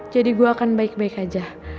jadi gua akan baik baik aja